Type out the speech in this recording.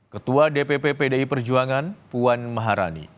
ketua dpp pdi perjuangan puan maharani